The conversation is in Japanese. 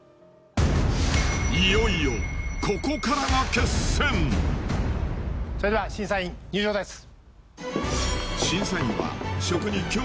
いよいよここからが決戦それでは審査員入場です。